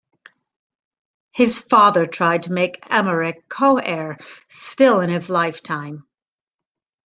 His father tried to make Emeric co-heir still in his lifetime.